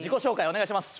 お願いします